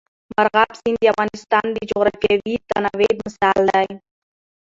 مورغاب سیند د افغانستان د جغرافیوي تنوع مثال دی.